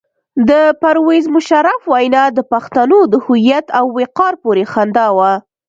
د پرویز مشرف وینا د پښتنو د هویت او وقار پورې خندا وه.